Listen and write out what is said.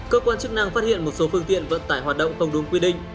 cơ quan chức năng phát hiện một số phương tiện vận tải hoạt động không đúng quy định